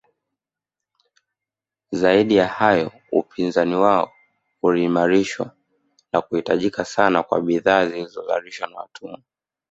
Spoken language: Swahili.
Zaidi ya hayo upinzani wao uliimarishwa na kuhitajika sana kwa bidhaa zilizozalishwa na watumwa